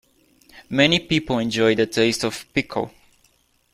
Many people enjoy the taste of pickle.